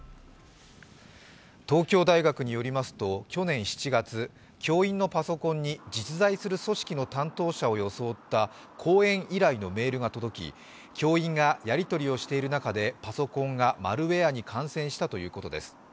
東京大学によりますと去年７月教員のパソコンに実在する組織の担当者を装った講演依頼のメールが届き、教員がやり取りをしている中でパソコンがマルウエアに感染したということです。